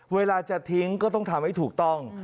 เวลาจะทิ้งก็ต้องทำให้ถูกต้อง